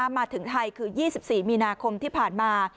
มาถึงไทยคือ๒๔มีนาคมที่ผ่านมา